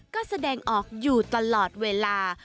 ก็แสดงออกอยู่ตลอดเวลา